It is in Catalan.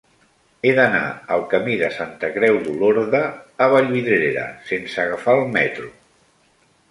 He d'anar al camí de Santa Creu d'Olorda a Vallvidrera sense agafar el metro.